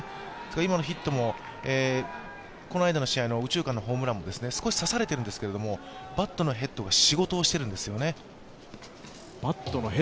今のヒットもこの間の試合の右中間のホームランも少し刺されているんですけど、バットのヘッドが仕事をしているんですね。